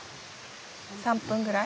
３分ぐらい？